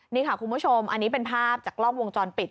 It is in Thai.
นี่ค่ะคุณผู้ชมอันนี้เป็นภาพจากกล้องวงจรปิด